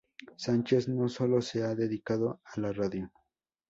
Sánchez no sólo se ha dedicado a la radio.